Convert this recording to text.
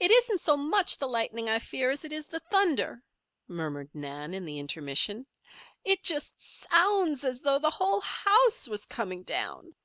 "It isn't so much the lightning I fear as it is the thunder," murmured Nan, in the intermission. "It just so o ounds as though the whole house was coming down."